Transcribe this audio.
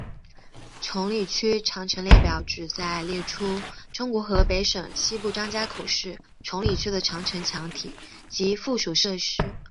崇礼区长城列表旨在列出中国河北省西部张家口市崇礼区的长城墙体及附属设施。